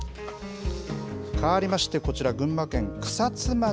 かわりましてこちら、群馬県草津町。